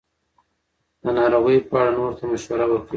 د ناروغیو په اړه نورو ته مشوره ورکوي.